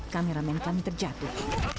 kameramen kami terjatuh